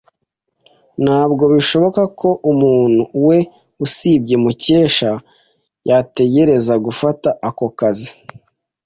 Ntabwo bishoboka ko umuntu wese usibye Mukesha yatekereza gufata ako kazi.